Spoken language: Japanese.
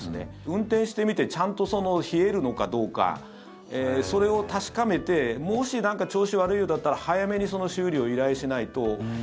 運転してみてちゃんと冷えるのかどうかそれを確かめてもし調子悪いようだったら早めに修理を依頼しないと。